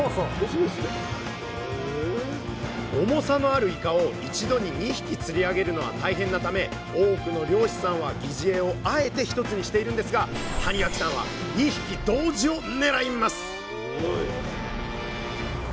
重さのあるイカを一度に２匹釣り上げるのは大変なため多くの漁師さんは擬似餌をあえて１つにしているんですが谷脇さんは２匹同時を狙いますすごい！